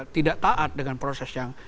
tidak taat dengan proses yang